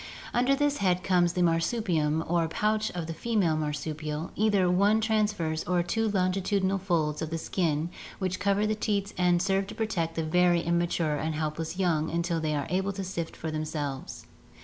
Under this head comes the marsupium or pouch of the female marsupial, either one trans verse or two longitudinal folds of skin which cover the teats and serve to protect the very imma ture and helpless young until they are able to shift for themselves.